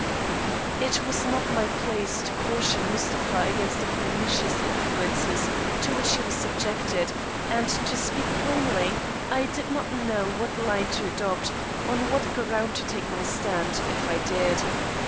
It was not my place to caution Mustapha against the pernicious influences to which he was subjected, and, to speak plainly, I did not know what line to adopt, on what ground to take my stand, if I did.